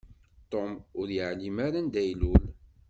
Tom ur yeεlim ara anda ilul.